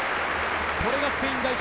これがスペイン代表